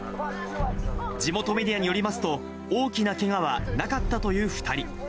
地元メディアによりますと、大きなけがはなかったという２人。